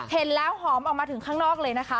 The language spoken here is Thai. เห็นแล้วหอมออกมาถึงข้างนอกเลยนะคะ